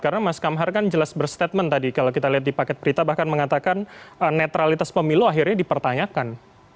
karena mas kamhar kan jelas berstatement tadi kalau kita lihat di paket berita bahkan mengatakan netralitas pemilu akhirnya dipertanyakan